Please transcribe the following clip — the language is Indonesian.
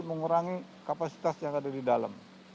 mengurangi kapasitas yang ada di dalam